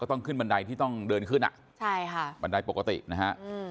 ก็ต้องขึ้นบันไดที่ต้องเดินขึ้นอ่ะบันไดปกตินะฮะ